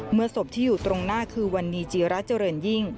ศพที่อยู่ตรงหน้าคือวันนี้จีระเจริญยิ่ง